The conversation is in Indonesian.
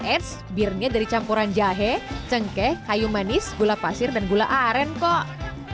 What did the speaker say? eits beernya dari campuran jahe cengkeh kayu manis gula pasir dan gula aren kok